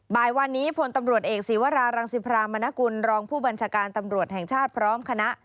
บ่ายวันนี้พลตำรวจเอกศีวรารังสิพรามนกุลรองผู้บัญชาการตำรวจแห่งชาติพร้อมคณะ